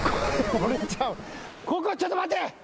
ここちょっと待て！